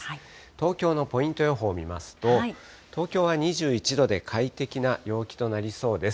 東京のポイント予報見ますと、東京は２１度で快適な陽気となりそうです。